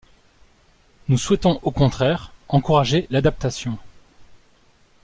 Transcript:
Nous souhaitons au contraire encourager l’adaptation.